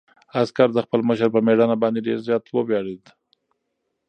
عسکر د خپل مشر په مېړانه باندې ډېر زیات وویاړېد.